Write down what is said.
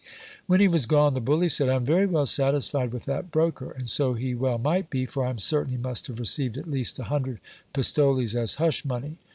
When he was gone, the bully said— I am very well satisfied with that broker. And so he well might be ; for I am certain he must have received at least a hundred pistoles as hush money.